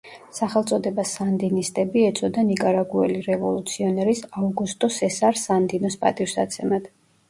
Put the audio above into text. სახელწოდება „სანდინისტები“ ეწოდა ნიკარაგუელი რევოლუციონერის აუგუსტო სესარ სანდინოს პატივსაცემად.